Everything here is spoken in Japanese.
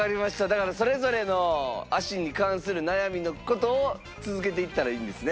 だからそれぞれの足に関する悩みの事を続けていったらいいんですね。